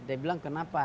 dia bilang kenapa